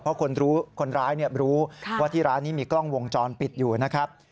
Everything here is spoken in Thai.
เพราะคนร้ายรู้ว่าที่ร้านนี้มีกล้องวงจรปิดอยู่นะครับ